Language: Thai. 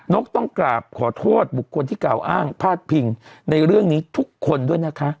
กต้องกราบขอโทษบุคคลที่กล่าวอ้างพาดพิงในเรื่องนี้ทุกคนด้วยนะคะ